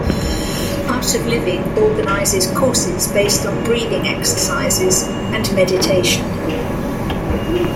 Art of Living organizes courses based on breathing exercises and meditation.